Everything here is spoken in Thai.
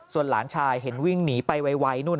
ส่วนหลานชายเห็นวิ่งหนีไปไวนู่น